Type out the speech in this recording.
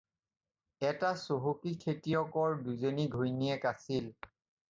এটা চহকী খেতিয়কৰ দুজনী ঘৈণীয়েক আছিল।